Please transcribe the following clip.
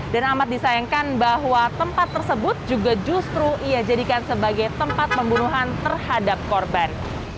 dan amat disayangkan bahwa tempat tersebut juga justru ia jadikan sebagai tempat pembunuhan terhadap korban